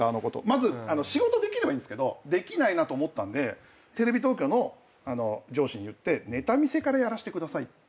まず仕事できればいいんすけどできないなと思ったんでテレビ東京の上司に言ってネタ見せからやらしてくださいっていう。